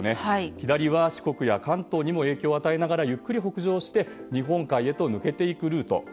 左は四国や関東にも影響を与えながらゆっくり北上して日本海へ抜けていくルート。